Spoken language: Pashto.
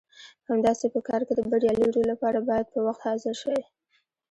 همداسې په کار کې د بریالي رول لپاره باید په وخت حاضر شئ.